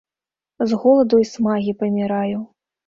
з голаду i смагi памiраю...